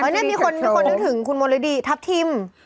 เออเนี่ยมีคนคนนึกถึงคุณโมระดี้ทัพทิม